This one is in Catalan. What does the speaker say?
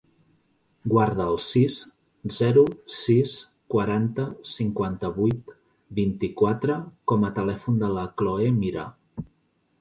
Guarda el sis, zero, sis, quaranta, cinquanta-vuit, vint-i-quatre com a telèfon de la Chloé Mira.